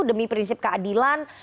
demi prinsip keadilan